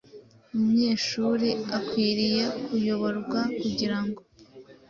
umunyeshuri akwiriye kuyoborwa kugira ngo